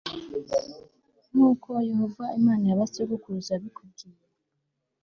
nk uko Yehova Imana ya ba sokuruza yabikubwiye